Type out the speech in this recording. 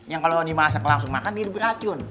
yang kalau dimasak langsung makan dia beracun